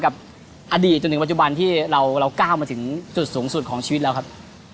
กับอดีตจนถึงปัจจุบันที่เราก้าวมาถึงจุดสูงสุดของชีวิตเราครับ